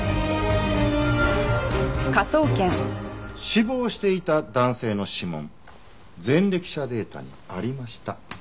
死亡していた男性の指紋前歴者データにありました。